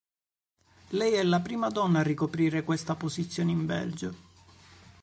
Lei è la prima donna a ricoprire questa posizione in Belgio.